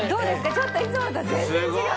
ちょっといつもとは全然違う！